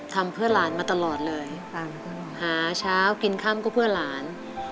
ทำเพื่อหลานมาตลอดเลยหาเช้ากินค่ำก็เพื่อหลาน